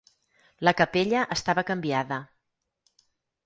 La capella estava canviada.